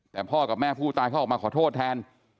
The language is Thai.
แต่พ่อกับแม่ผู้ตายเขาออกมาขอโทษแทน